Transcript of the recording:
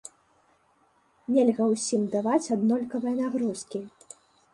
Нельга ўсім даваць аднолькавыя нагрузкі.